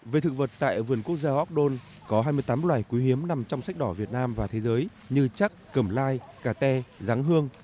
về thực vật tại vườn quốc gia yop don có hai mươi tám loài quý hiếm nằm trong sách đỏ việt nam và thế giới như chắc cầm lai cà te rắn hương